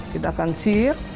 kita akan sir